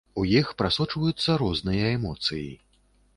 У іх прасочваюцца розныя эмоцыі.